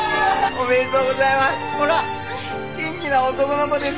おめでとうございます。